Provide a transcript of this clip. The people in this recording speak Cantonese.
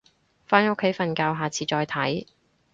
返屋企瞓覺，下次再睇